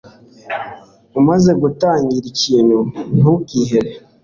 Umaze gutangira ikintu, ntukihebe.